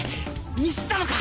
ミスったのか！？